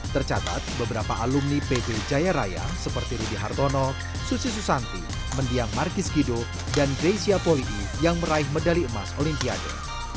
tercatat beberapa alumni pb jaya raya seperti rudy hartono susi susanti mendiang markis kido dan greysia poli yang meraih medali emas olimpiade